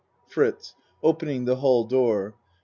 FRITZ (Opening the hall door.)